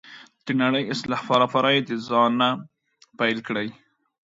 د نړۍ اصلاح لپاره یې د ځانه پیل کړئ.